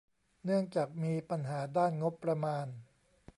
เนื่องจากมีปัญหาด้านงบประมาณ